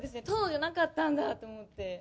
トドじゃなかったんだと思って。